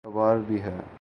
کاروبار بھی ہے۔